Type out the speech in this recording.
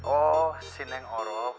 oh si neng orok